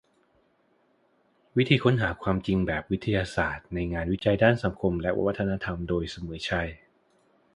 วิธีค้นหาความจริงแบบวิทยาศาสตร์ในงานวิจัยด้านสังคมและวัฒนธรรม โดย เสมอชัย